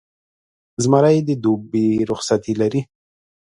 زمری د دوبي رخصتۍ لري.